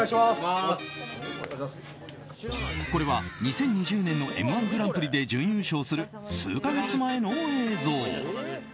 これは２０２０年の「Ｍ‐１グランプリ」で準優勝する数か月前の映像。